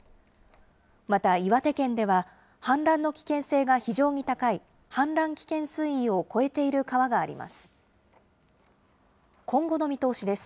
また岩手県では、氾濫の危険性が非常に高い、氾濫危険水位を超えている川があります。